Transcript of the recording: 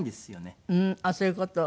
あっそういう事を？